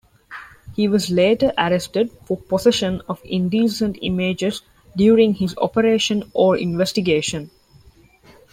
He was later arrested for possession of indecent images during his Operation Ore investigation.